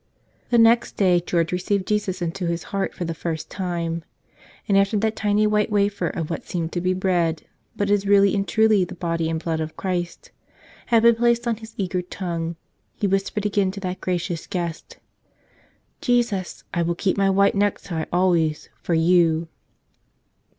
The next day George received Jesus into his heart for the first time. And after that tiny white wafer of 84 Preserve Your White Necktie ! what seems to be bread, but is really and truly the Body and Blood of Christ, had been placed on his eager tongue, he whispered again to that Gracious Guest, "Jesus, I will keep my white necktie always — for You!